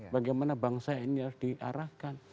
bagaimana bangsa ini harus diarahkan